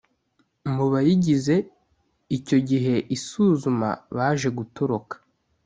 mu bayigize icyo gihe isuzuma baje gutoroka.